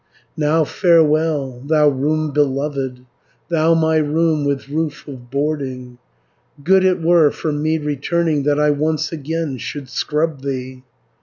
"Now farewell, thou room beloved, Thou my room, with roof of boarding; Good it were for me returning, That I once again should scrub thee.